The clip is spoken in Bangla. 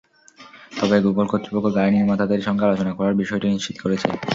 তবে গুগল কর্তৃপক্ষ গাড়ি নির্মাতাদের সঙ্গে আলোচনা করার বিষয়টি নিশ্চিত করেছে।